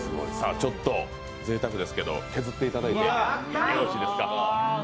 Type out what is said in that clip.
ちょっとぜいたくですけど、削っていただいてよろしいですか？